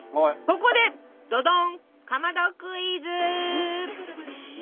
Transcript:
ここでどどんかまどクイズ！